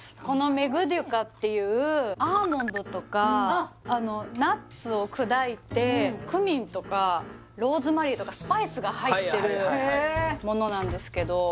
このメグデュカっていうアーモンドとかナッツを砕いてクミンとかローズマリーとかスパイスが入ってるものなんですけど